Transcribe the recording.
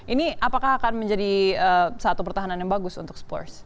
ini apakah akan menjadi satu pertahanan yang bagus untuk spurs